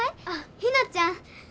あっひなちゃん。